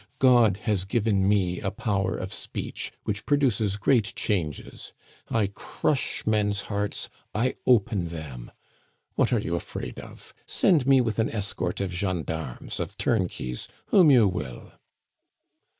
God has given me a power of speech which produces great changes. I crush men's hearts; I open them. What are you afraid of? Send me with an escort of gendarmes, of turnkeys whom you will."